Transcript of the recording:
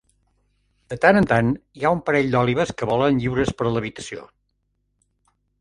De tant en tant hi ha un parell d'òlibes que volen lliures per l'habitació.